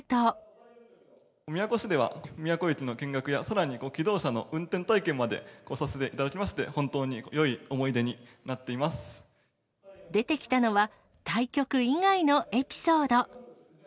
宮古市では、宮古駅の見学や、さらに気動車の運転体験までさせていただきまして、本当によい思出てきたのは、対局以外のエピソード。